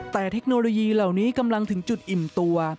แต่เทคโนโลยีเหล่านี้กำลังถึงจุดอิ่มตัว